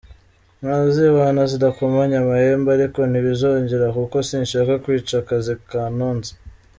Ntazibana zidakomanya amahembe ariko ntibizongera kuko sinshaka kwica akazi kantunze.